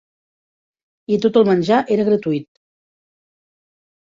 I tot el menjar era gratuït.